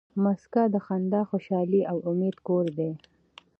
مځکه د خندا، خوشحالۍ او امید کور دی.